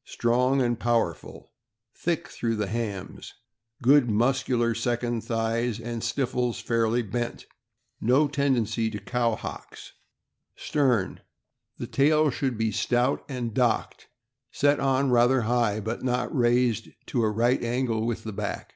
— Strong and powerful, thick through the hams ; good muscular second thighs, and stifles fairly bent. No tendency to " cow hocks." THE AIREDALE TERRIER. 463 Stern. — The tail should be stout, and docked; set on rather high, but not raised to a right angle with .the back.